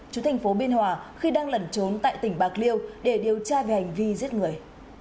chú thành phố biên hòa khi đang lẩn trốn tại tỉnh bạc liêu để điều tra về hành vi giết người